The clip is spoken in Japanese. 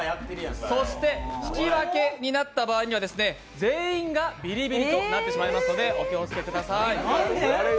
そして引き分けになった場合には全員がビリビリとなってしまいますので、お気をつけください。